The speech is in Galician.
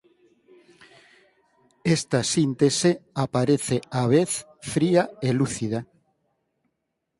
Esta síntese aparece á vez fría e lúcida.